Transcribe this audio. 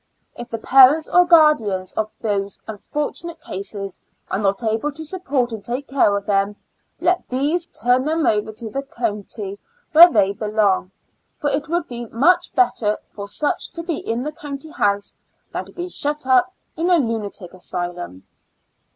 If the parents or guardians of these unfortunate cases are not able to sup , port and take care of them, let these turn them over to the county where they belong, for it would be much better for such to be in the county house, than to fee shut up in a lunatic asylum.